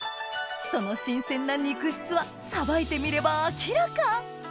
その新鮮な肉質はさばいてみれば明らか！